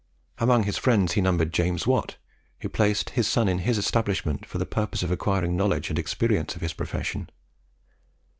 Among his friends he numbered James Watt, who placed his son in his establishment for the purpose of acquiring knowledge and experience of his profession.